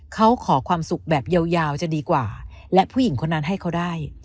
เขาขอความสุขแบบยาวจะดีกว่าและผู้หญิงคนนั้นให้เขาได้